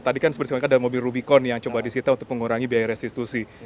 tadi kan seperti ada mobil rubicon yang coba disita untuk mengurangi biaya restitusi